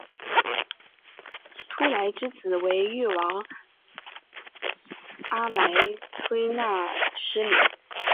秃剌之子为越王阿剌忒纳失里。